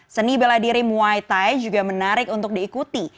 seni bela diri muay thai juga menarik untuk diikuti